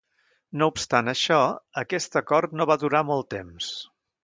No obstant això, aquest acord no va durar molt temps.